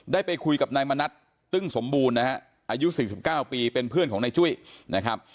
ได้ไปคุยกับนายมณัฐตึ้งสมบูรณ์นะฮะอายุ๔๙ปีเป็นเพื่อนของนายจุ้ยนะครับ